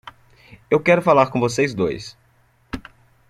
Eu quero falar com vocês dois.